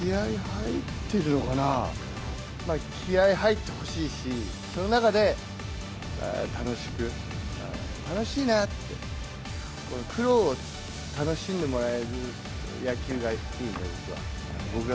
まあ、気合い入ってほしいし、その中で楽しく、楽しいなって、苦労を楽しんでもらえる野球がいいね、僕は。